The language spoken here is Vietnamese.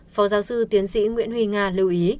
phó giáo sư tiến sĩ nguyễn huy nga lưu ý